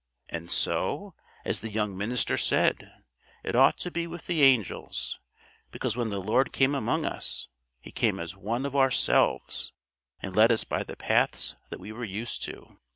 And so, as the young minister said, it ought to be with the angels; because when the Lord came among us, He came as One of ourselves, and led us by the paths that we were used to.